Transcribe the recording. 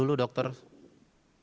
mungkin dr lia silahkan lebih dulu